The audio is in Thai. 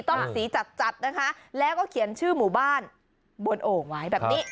ต้องสีจัดจัดนะคะแล้วก็เขียนชื่อหมู่บ้านบนโอ่งไว้แบบนี้